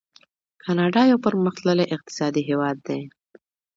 کاناډا یو پرمختللی اقتصادي هیواد دی.